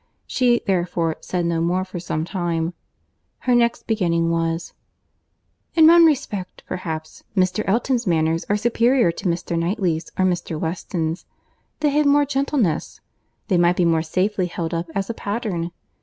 She, therefore, said no more for some time. Her next beginning was, "In one respect, perhaps, Mr. Elton's manners are superior to Mr. Knightley's or Mr. Weston's. They have more gentleness. They might be more safely held up as a pattern.